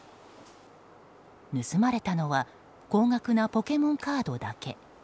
盗まれたのは高額なポケモンカードだけ。